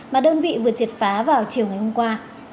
mà đơn vị vừa triệt phá vào chiều ngày hôm qua